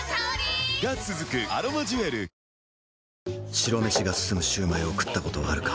白飯が進むシュウマイを食ったことはあるか？